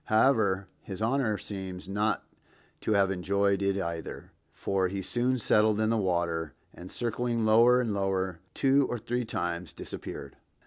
However, his Honor seems not to have enjoyed it either, for he soon settled in the water, and circling lower and lower two or three times, disappeared.